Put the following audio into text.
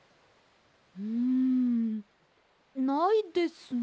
うんないですね。